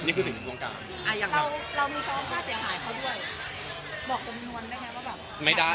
นี่คือสิ่งของประโยชน์การ